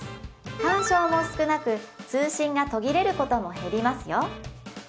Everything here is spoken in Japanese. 干渉も少なく通信が途切れることも減りますよ